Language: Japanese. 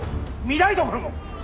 御台所も。